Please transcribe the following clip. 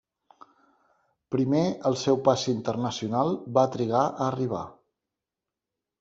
Primer el seu passi internacional va trigar a arribar.